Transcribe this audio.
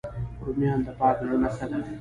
رومیان د پاک زړه نښه ده